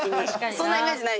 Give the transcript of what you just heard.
そんなイメージない？